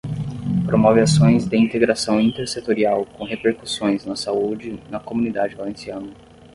Promove ações de integração intersetorial com repercussões na saúde na Comunidade Valenciana.